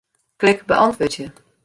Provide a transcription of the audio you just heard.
Klik Beäntwurdzje.